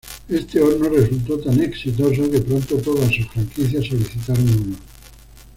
Este horno resultó tan exitoso, que pronto todas sus franquicias solicitaron uno.